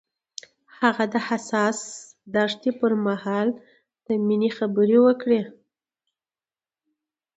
هغه د حساس دښته پر مهال د مینې خبرې وکړې.